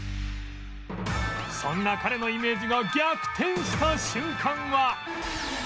そんな彼のイメージが逆転した瞬間は